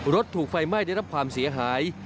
ถูกไฟไหม้ได้รับความเสียหาย